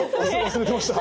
忘れてました。